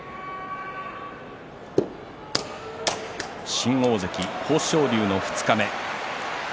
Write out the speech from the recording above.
新大関、豊昇龍の二日目。